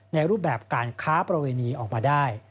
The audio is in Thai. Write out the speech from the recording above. รูปแบบการค้าประเวณีออกมาได้